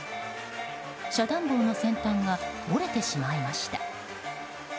遮断棒の先端が折れてしまいました。